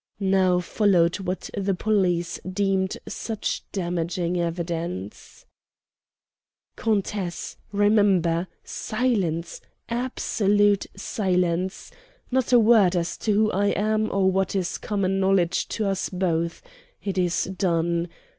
Now followed what the police deemed such damaging evidence. "Countess. Remember. Silence absolute silence. Not a word as to who I am, or what is common knowledge to us both. It is done.